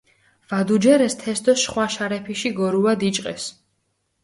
ვადუჯერეს თეს დო შხვა შარეფიში გორუა დიჭყეს.